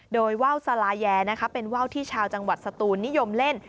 โดยว่าวสลาแยเป็นว่าวที่ชาวจังหวัดสตูนนิยมเล่น